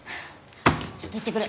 ちょっと行ってくる。